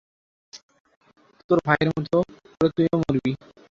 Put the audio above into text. তোর ভাইয়ের মতো করে তুইও মরবি।